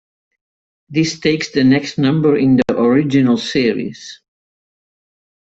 This takes the next number in the original series.